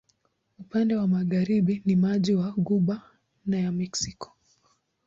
Upande wa magharibi ni maji wa Ghuba ya Meksiko.